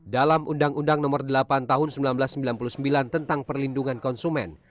dalam undang undang nomor delapan tahun seribu sembilan ratus sembilan puluh sembilan tentang perlindungan konsumen